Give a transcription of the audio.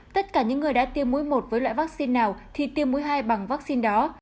tất cả những người đã tiêm mũi một với loại vaccine nào thì tiêm mũi hai bằng vaccine đó